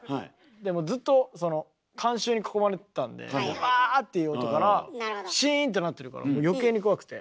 でもずっとその観衆に囲まれてたんで「ワー！」っていう音からシーンってなってるから余計に怖くて。